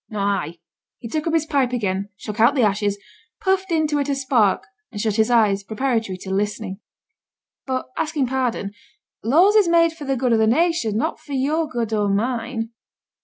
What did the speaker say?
Not I.' He took up his pipe again, shook out the ashes, puffed it into a spark, and shut his eyes, preparatory to listening. 'But, asking pardon, laws is made for the good of the nation, not for your good or mine.'